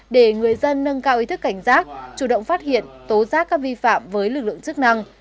để người dân nâng cao ý thức cảnh giác chủ động phát hiện tố giác các vi phạm với lực lượng chức năng